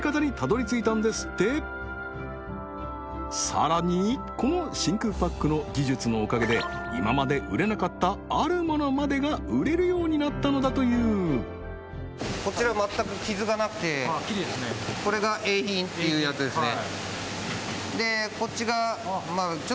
さらにこの真空パックの技術のおかげで今まで売れなかったあるものまでが売れるようになったのだというこちら全く傷がなくてこれがＡ品っていうやつですね